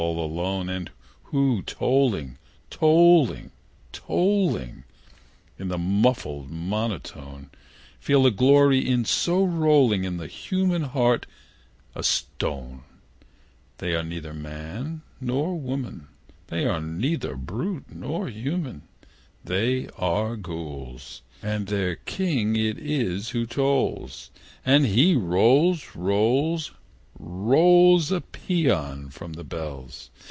All alone, And who tolling, tolling, tolling, In that muffled monotone, Feel a glory in so rolling On the human heart a stone They are neither man nor woman They are neither brute nor human They are Ghouls: And their king it is who tolls; And he rolls, rolls, rolls, Rolls A pæan from the bells!